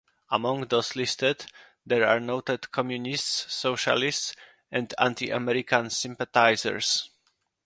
Among those listed, there are noted communists, socialists, and anti-American sympathizers.